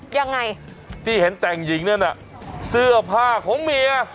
ยังไงที่เห็นแต่งหญิงนั่นน่ะเสื้อผ้าของเมีย